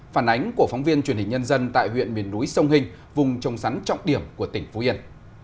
phản ánh của phóng viên truyền hình nhân dân tại huyện miền núi sông hình vùng trồng sắn trọng điểm của tỉnh phú yên